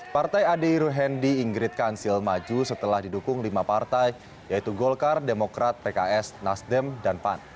partai ade i ruhendi ingrid kansil maju setelah didukung lima partai yaitu golkar demokrat pks nasdem dan pan